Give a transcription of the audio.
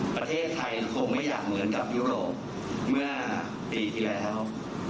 ประเทศไทยคงไม่อยากเหมือนกับยุโรปเมื่อปีที่แล้ว